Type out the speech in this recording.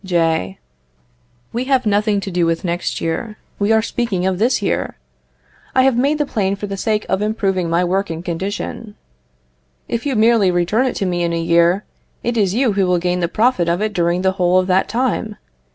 J. We have nothing to do with next year; we are speaking of this year. I have made the plane for the sake of improving my work and condition; if you merely return it to me in a year, it is you who will gain the profit of it during the whole of that time.